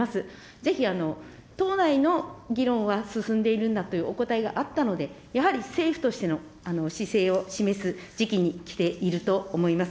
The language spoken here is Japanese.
ぜひ党内の議論は進んでいるんだというお答えはあったので、やはり政府としての姿勢を示す時期に来ていると思います。